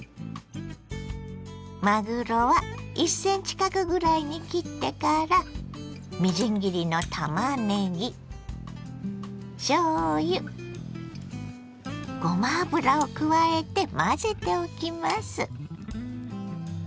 まぐろは１ｃｍ角ぐらいに切ってからみじん切りのたまねぎしょうゆごま油を加えて混ぜておきます。